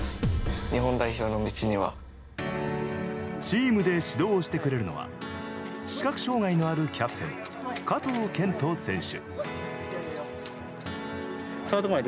チームで指導をしてくれるのは視覚障害のあるキャプテン加藤健人選手。